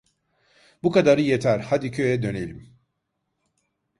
Bu kadarı yeter, hadi köye dönelim!